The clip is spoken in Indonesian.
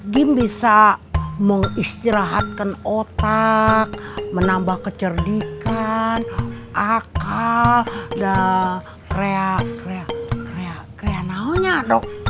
gim bisa mengistirahatkan otak menambah kecerdikan akal dan krea krea krea kreanalnya dok